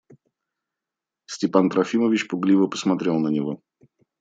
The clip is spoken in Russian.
Степан Трофимович пугливо посмотрел на него.